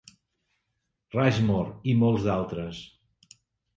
Rushmore, i molts d'altres.